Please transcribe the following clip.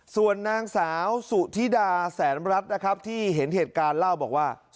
ส่วนนางสาวสุธิดาแสนรัฐนะครับที่เห็นเหตุการณ์เล่าบอกว่า